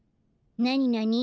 なになに？